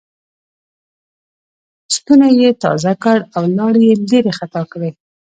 ستونی یې تازه کړ او لاړې یې لېرې خطا کړې.